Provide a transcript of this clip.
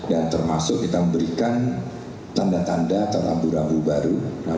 dan termasuk kita memberikan tanda tanda terambu rambu baru